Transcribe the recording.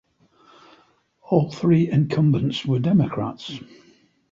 All three incumbents were Democrats.